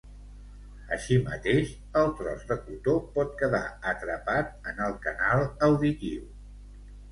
Així mateix, el tros de cotó pot quedar atrapat en el canal auditiu.